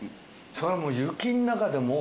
そりゃもう雪の中でも。